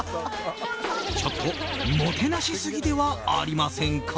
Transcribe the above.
ちょっともてなしすぎではありませんか？